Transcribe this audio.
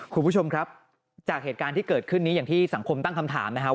คุณผู้ชมครับจากเหตุการณ์ที่เกิดขึ้นนี้อย่างที่สังคมตั้งคำถามนะครับ